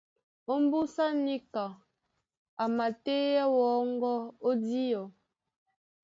Ómbúsá níka a matéɛ́ wɔ́ŋgɔ́ ó díɔ.